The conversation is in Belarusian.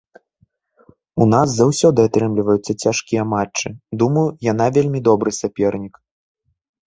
У нас заўсёды атрымліваюцца цяжкія матчы, думаю, яна вельмі добры сапернік.